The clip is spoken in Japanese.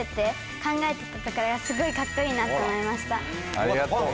ありがとう。